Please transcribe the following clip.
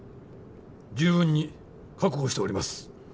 十分に覚悟しております。